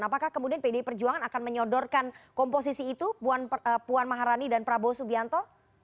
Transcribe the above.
apakah kemudian pdi perjuangan akan menyodorkan komposisi itu puan maharani dan prabowo subianto